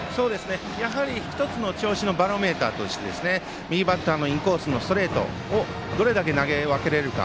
やはり１つの調子のバロメーターとして右バッターのインコースのストレートをどれだけ投げ分けられるか。